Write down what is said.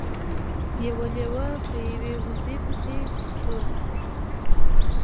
یو لیوه په یوې وزې پسې شو.